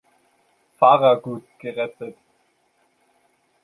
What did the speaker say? Farragut" gerettet.